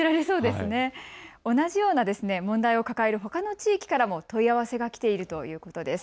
同じような問題を抱えるほかの地域からも問い合わせがきているということです。